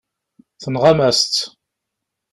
Tenɣam-as-tt.